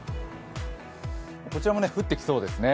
こちらも降ってきそうですね。